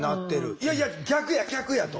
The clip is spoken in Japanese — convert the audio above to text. いやいや逆や逆やと。